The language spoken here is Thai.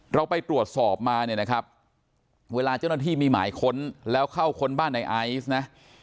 เราไปตรวจสอบมาเนี่ยนะครับเวลาเจ้าหน้าที่มีหมายค้นแล้วเข้าค้นบ้านในไอซ์นะ